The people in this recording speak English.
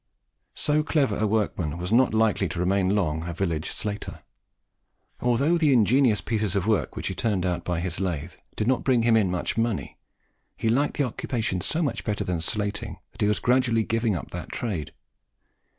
So clever a workman was not likely to remain long a village slater. Although the ingenious pieces of work which he turned out by his lathe did not bring him in much money, he liked the occupation so much better than slating that he was gradually giving up that trade.